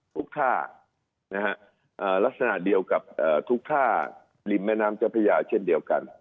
ทุกท่าลักษณะเดียวกับทุกท่าริมแม่น้ำเจ้าพระยาเช่นเดียวกัน